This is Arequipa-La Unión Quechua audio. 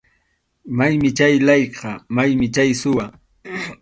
Maymi chay layqa, maymi chay suwa.